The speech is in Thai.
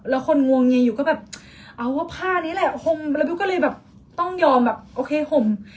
แล้วคนงวงเงีอยู่ก็แบบเอาว่าผ้านี้แหละห่มแล้วพี่ก็เลยแบบต้องยอมแบบโอเคห่ม